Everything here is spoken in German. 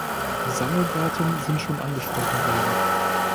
Die Sammeldaten sind schon angesprochen worden.